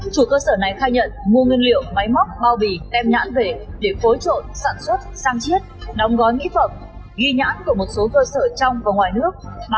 chủ cơ sở này khai nhận mua nguyên liệu máy móc bao bì tem nhãn về